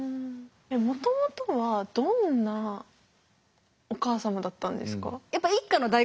もともとはどんなお母様だったんですか？